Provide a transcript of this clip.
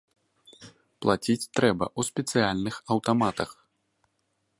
Плаціць трэба ў спецыяльных аўтаматах.